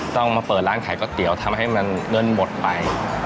ต้องมาเปิดร้านขายก๋วยเตี๋ยวทำให้มันเงินหมดไป